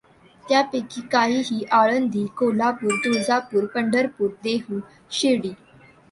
त्यांपैकी काही ही आळंदी, कोल्हापुर, तुळजापूर, पंढरपूर, देहू, शिर्डी.